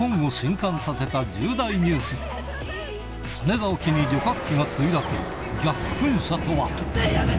羽田沖に旅客機が墜落逆噴射とは？